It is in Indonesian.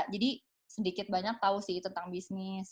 jadi sedikit banyak tau sih tentang bisnis